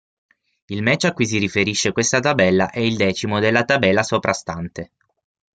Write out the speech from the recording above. Il match a cui si riferisce questa tabella è il decimo della tabella soprastante.